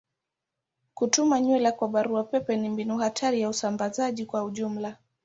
Kutuma nywila kwa barua pepe ni mbinu hatari ya usambazaji kwa ujumla.